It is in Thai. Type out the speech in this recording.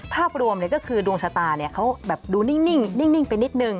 ภาพรวมก็คือดวงชะตาเขาแบบดูนิ่งไปนิดนึง